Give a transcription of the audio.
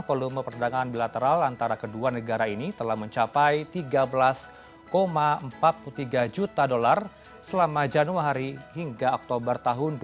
volume perdagangan bilateral antara kedua negara ini telah mencapai tiga belas empat puluh tiga juta dolar selama januari hingga oktober dua ribu dua puluh